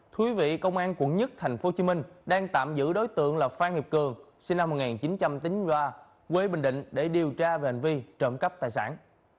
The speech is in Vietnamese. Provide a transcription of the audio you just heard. thúy vị công an quận một tp hcm đang tạm giữ đối tượng là phan hiệp cường sinh năm một nghìn chín trăm linh ba quê bình định để điều tra về hành vi trộm cắp tài sản